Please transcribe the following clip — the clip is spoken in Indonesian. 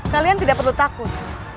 kalian tidak perlu takut